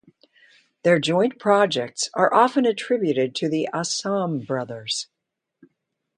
Their joint projects are often attributed to the "Asam Brothers".